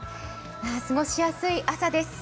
過ごしやすい朝です。